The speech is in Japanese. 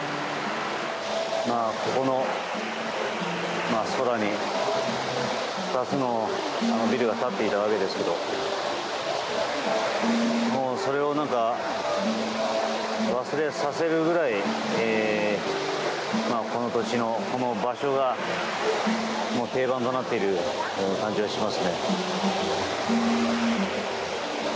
ここの空に、２つのビルが立っていたわけですけどもうそれを忘れさせるくらいこの土地のこの場所が定番となっている感じがしますね。